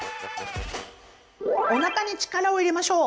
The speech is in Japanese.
おなかに力を入れましょう！